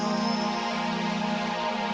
mau ke point nbj pilih aku kurang paham